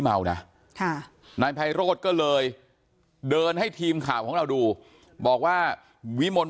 เมานะค่ะนายไพโรธก็เลยเดินให้ทีมข่าวของเราดูบอกว่าวิมล